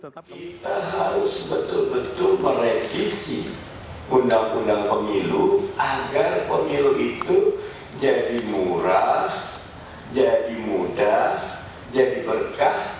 kita harus betul betul merevisi undang undang pemilu agar pemilu itu jadi murah jadi mudah jadi berkah